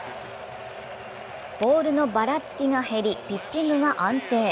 ボールのばらつきが減り、ピッチングが安定。